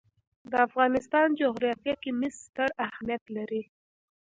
د افغانستان جغرافیه کې مس ستر اهمیت لري.